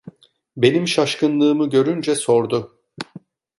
Benim şaşkınlığımı görünce sordu.